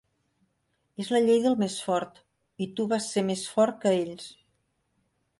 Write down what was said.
És la llei del més fort i tu vas ser més fort que ells.